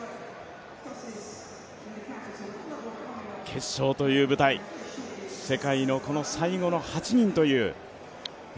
決勝という舞台、世界の最後の８人という。